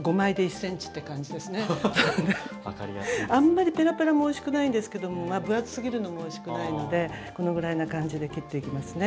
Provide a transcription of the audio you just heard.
あんまりペラペラもおいしくないんですけども分厚すぎるのもおいしくないのでこのぐらいな感じで切っていきますね。